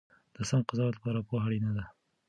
د سم قضاوت لپاره پوهه اړینه ده.